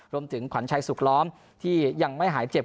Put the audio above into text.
ขวัญชัยสุขล้อมที่ยังไม่หายเจ็บ